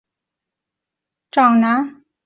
国民荣誉奖得奖的作曲家服部良一的长男。